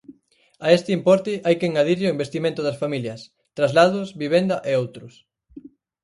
A este importe hai que engadirlle o investimento das familias: traslados, vivenda e outros.